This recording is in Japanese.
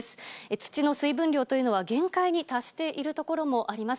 土の水分量というのは限界に達している所もあります。